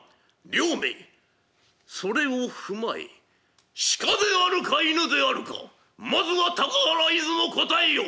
両名それを踏まえ鹿であるか犬であるかまずは高原出雲答えよ」。